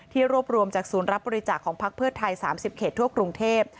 ที่รวบรวมจากสูญรับบริจาคของพักเพิศไทย๓๐เขตทั่วกรุงเทพฯ